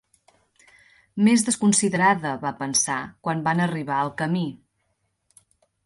Més desconsiderada, va pensar, quan van arribar al camí.